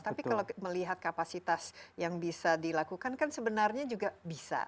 tapi kalau melihat kapasitas yang bisa dilakukan kan sebenarnya juga bisa